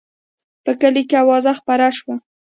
په کلي کې اوازه خپره شوه.